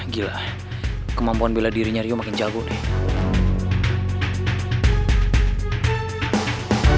gila kemampuan bela dirinya rio makin jago deh